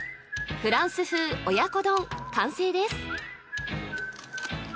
フランス風親子丼完成です！